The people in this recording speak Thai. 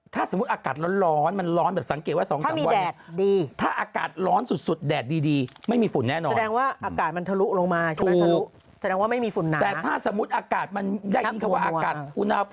ถ้าสมมุติอากาศร้อนมันร้อนแบบสังเกตว่า๒๓วัน